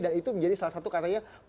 dan itu menjadi salah satu katanya